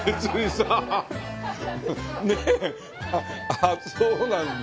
あっそうなんだ。